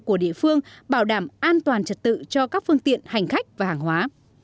của địa phương bảo đảm an toàn trật tự cho các phương tiện hành khách và hàng hóa